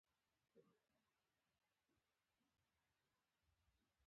دغه کار دی تلک دې لېوه ته جوړ کړی و.